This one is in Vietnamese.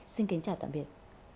xin kính chào tạm biệt